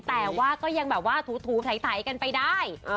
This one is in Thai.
แต่ว่าก็ยังแบบว่าถูใสกันไปได้